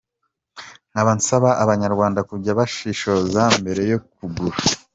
Nkaba nsaba abanyarwanda kujya bashishoza mbere yo kugura.